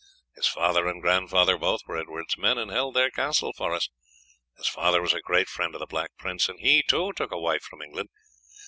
His father and grandfather both were Edward's men, and held their castle for us; his father was a great friend of the Black Prince, and he, too, took a wife from England.